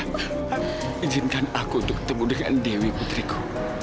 izinkan aku untuk ketemu dengan dewi putriku